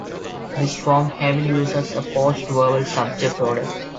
This form heavily uses a post-verbal subject order.